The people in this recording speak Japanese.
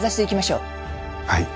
はい。